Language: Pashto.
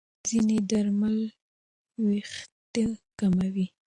ځینې درملو وېښتې کموي.